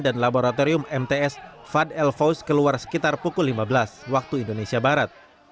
dan laboratorium mts fad el fous keluar sekitar pukul lima belas waktu indonesia barat